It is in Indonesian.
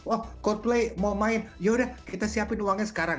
oh coldplay mau main yaudah kita siapin uangnya sekarang